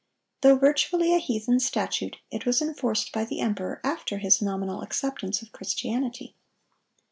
Though virtually a heathen statute, it was enforced by the emperor after his nominal acceptance of Christianity.